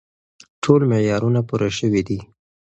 ټول معیارونه پوره شوي دي.